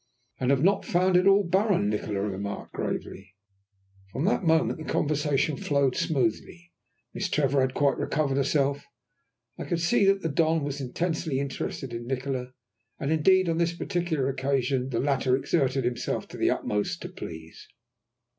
"And have not found it all barren," Nikola remarked gravely. From that moment the conversation flowed smoothly. Miss Trevor had quite recovered herself, and I could see that the Don was intensely interested in Nikola. And indeed on this particular occasion the latter exerted himself to the utmost to please.